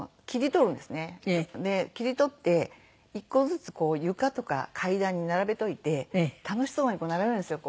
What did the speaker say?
切り取って１個ずつ床とか階段に並べておいて楽しそうに並べるんですよ